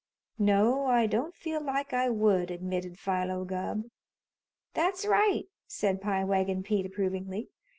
"No, I don't feel like I would," admitted Philo Gubb. "That's right," said Pie Wagon Pete approvingly.